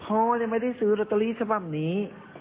พ่อยังไม่ได้ซื้อรอเตอรี่เฉพาะนี้